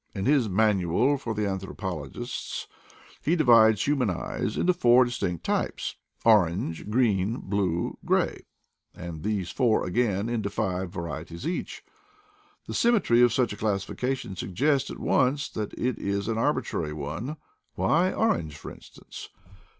In his Manual for Anthropologists he divides human eyes into four distinct types — CONCERNING EYES 191 orange, green, blue, gray; and these four again into five varieties each. The symmetry of such a classification suggests at once that it is an arbi trary one. Why orange, for instance?